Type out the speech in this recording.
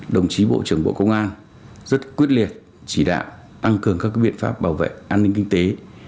đồng chí bộ trưởng bộ công an rất quyết liệt chỉ đạo tăng cường các biện pháp bảo vệ an ninh kinh tế